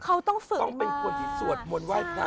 เขาต้องฝึกต้องเป็นคนที่สวดมนต์ไหว้พระ